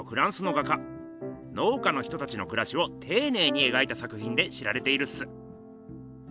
農家の人たちのくらしをていねいに描いたさくひんで知られているっす。